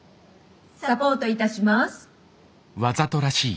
「サポートいたします」。